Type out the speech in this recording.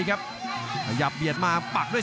รับทราบบรรดาศักดิ์